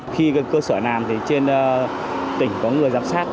khi cơ sở nào thì trên tỉnh có người giám sát